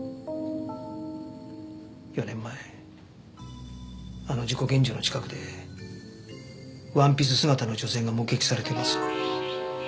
４年前あの事故現場の近くでワンピース姿の女性が目撃されています。